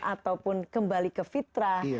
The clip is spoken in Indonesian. ataupun kembali ke fitrah